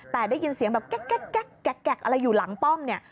แต่ได้ยินเสียงแบบแก๊กอะไรอยู่หลังป้อมเนี่ย